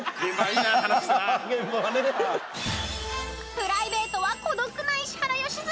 ［プライベートは孤独な石原良純］